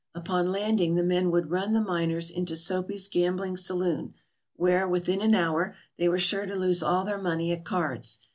Upon landing the men would run the miners into Soapy 's gambling saloon, where, within an hour, they were sure to lose all their money at cards.